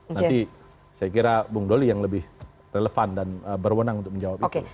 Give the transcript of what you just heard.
nanti saya kira bung doli yang lebih relevan dan berwenang untuk menjawab itu